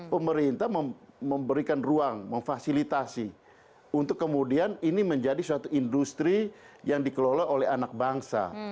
pemerintah memberikan ruang memfasilitasi untuk kemudian ini menjadi suatu industri yang dikelola oleh anak bangsa